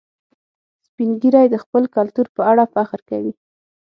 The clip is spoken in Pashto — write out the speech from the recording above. سپین ږیری د خپل کلتور په اړه فخر کوي